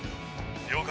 了解。